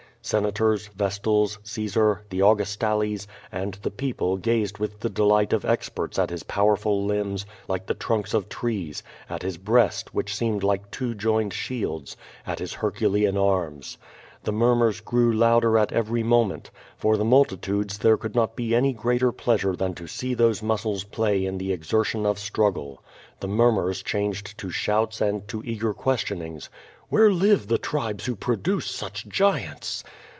Senators, vestal?, Caesar, tlie Augustales, and the people gazed with the delight of experts at his powerful limbs, like the trunks of trees; at his breast, which seemed like two joined shields, and at his herculean arms. The murmurs grew louder at every mo ment. For the multitudes there could not be any greater pleasure than to see those muscles play in the exertion of struggle. The murmurs changed to shouts and to eager ques tionings: *^Vhere live the tribes who produce such giants?"